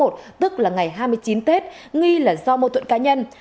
tức là ngày hai mươi chín tết nghi là do mâu thuẫn cá nhân